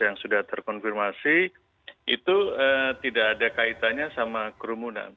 yang sudah terkonfirmasi itu tidak ada kaitannya sama kerumunan